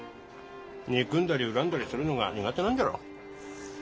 憎んだり恨んだりするのが苦手なんじゃろ。